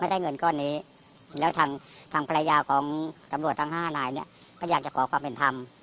ได้เงินก้อนนี้แล้วทางทางภรรยาของตำรวจทั้ง๕นายเนี่ยก็อยากจะขอความเป็นธรรม